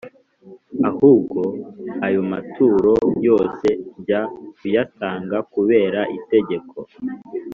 ahubwo ayo maturo yose jya uyatanga kubera itegeko.